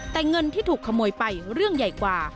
แต่เงินที่ถูกขโมยไปเรื่องใหญ่กว่า